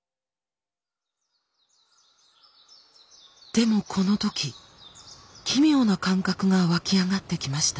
でもこの時奇妙な感覚が湧き上がってきました。